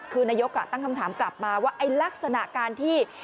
คือนายกตั้งคำถามกลับมาว่าไอ้ลักษณะการที่